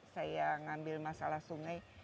saya ngambil masalah sungai